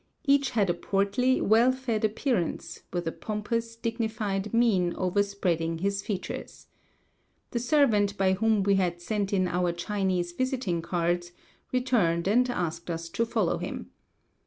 Each had a portly, well fed appearance, with a pompous, dignified mien overspreading his features. The servant by whom we had sent in our Chinese visiting cards returned and asked us to follow him.